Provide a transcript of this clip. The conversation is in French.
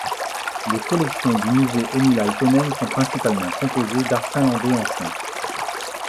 Les collections du musée Emil Aaltonen sont principalement composées d'art finlandais ancien.